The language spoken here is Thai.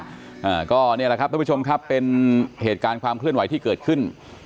อ่าก็นี่แหละครับทุกผู้ชมครับเป็นเหตุการณ์ความเคลื่อนไหวที่เกิดขึ้น